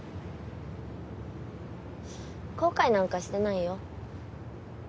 後悔なんかしてないよ。